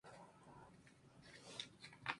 Es una base de combustible parecido a la gasolina.